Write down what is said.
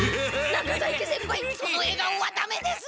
中在家先輩そのえがおはダメです！